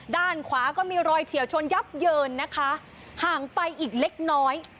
ด้านขวาก็มีรอยเฉียวชนยับเยินนะคะห่างไปอีกเล็กน้อย